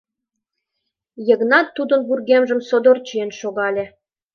Йыгнат Тудын вургемжым содор чиен шогале.